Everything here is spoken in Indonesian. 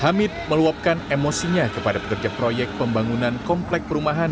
hamid meluapkan emosinya kepada pekerja proyek pembangunan komplek perumahan